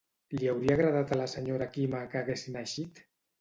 Li hauria agradat a la senyora Quima que haguessin eixit?